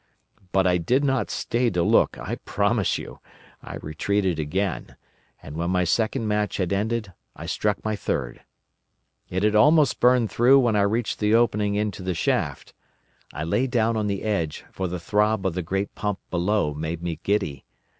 But I did not stay to look, I promise you: I retreated again, and when my second match had ended, I struck my third. It had almost burnt through when I reached the opening into the shaft. I lay down on the edge, for the throb of the great pump below made me giddy.